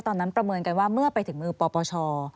ประเมินกันว่าเมื่อไปถึงมือปปช